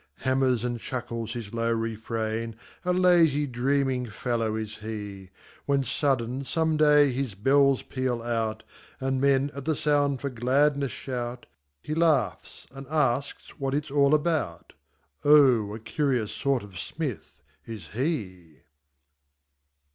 Hammers and chuckles his low refrain, A lazy, dreaming fellow is he: When sudden, some day, his bells peal out, And men, at the sound, for gladness shout; He laughs and asks what it's all about; Oh, a curious sort of smith is he.